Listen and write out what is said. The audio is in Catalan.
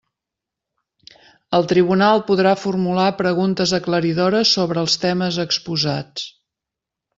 El tribunal podrà formular preguntes aclaridores sobre els temes exposats.